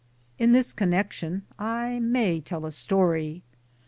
In this connection I may tell a story.